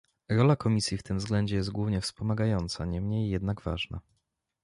Rola Komisji w tym względzie jest głównie wspomagająca, niemniej jednak ważna